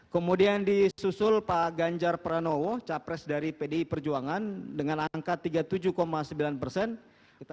kemudian disusul pak ganjar pranowo capres dari pdi perjuangan dengan angka tiga puluh tujuh sembilan persen